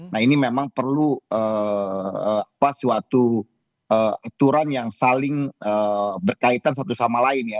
nah ini memang perlu suatu aturan yang saling berkaitan satu sama lain ya